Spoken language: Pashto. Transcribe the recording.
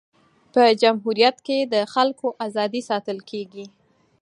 په جمهوریت کي د خلکو ازادي ساتل کيږي.